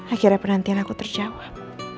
akhirnya penantian aku terjawab